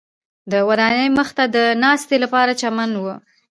د ودانیو مخ ته د ناستې لپاره چمن و.